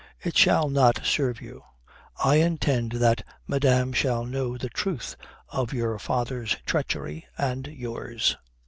It shall not serve you. I intend that madame shall know the truth of your father's treachery and yours."